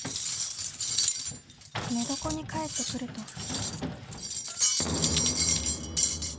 寝床に帰ってくると。